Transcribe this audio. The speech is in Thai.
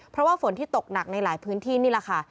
เพราะว่าฝนที่ตกหนักในหลายพื้นที่นี่แหละค่ะ